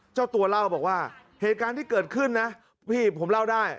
เจ้าตัวเล่าบอกว่าเหตุการณ์ที่เกิดขึ้นนะพี่ผมเล่าได้